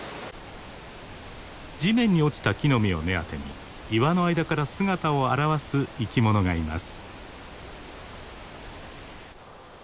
地面に落ちた木の実を目当てに岩の間から姿を現す生き物がいます。